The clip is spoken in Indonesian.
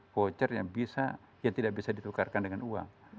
voucher yang bisa yang tidak bisa ditukarkan dengan uang